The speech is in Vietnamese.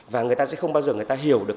và người ta sẽ không bao giờ hiểu được